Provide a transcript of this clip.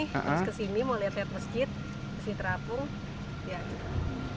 terus ke sini mau lihat lihat masjid masjid terapung